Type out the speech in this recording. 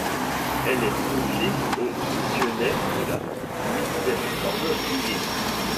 Elle est confiée aux Missionnaires de la Miséricorde divine.